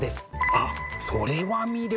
あっそれは魅力。